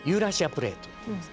プレートっていいます。